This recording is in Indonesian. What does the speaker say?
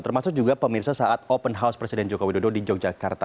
termasuk juga pemirsa saat open house presiden joko widodo di yogyakarta